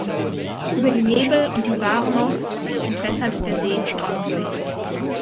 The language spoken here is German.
Über die Nebel und die Warnow entwässert der See zur Ostsee.